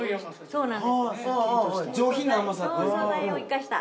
そうなんです